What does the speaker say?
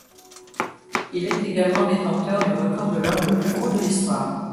Il est également détenteur du record de l'homme le plus gros de l'histoire.